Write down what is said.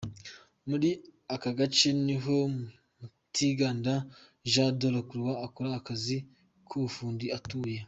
Muri aka gace niho Mutiganda Jean De la Croix, ukora akazi k’ubufundi atuye.